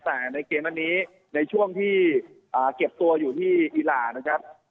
แต่ในเกมอันนี้ในช่วงที่เก็บตัวอยู่ที่อีรานะครับ